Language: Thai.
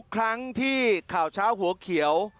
ครั้งที่ข่าวเช้าหัวเขียว